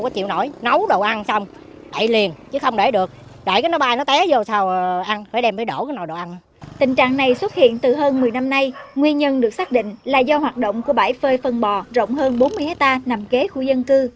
tình trạng này xuất hiện từ hơn một mươi năm nay nguyên nhân được xác định là do hoạt động của bãi phơi phân bò rộng hơn bốn mươi hectare nằm kế khu dân cư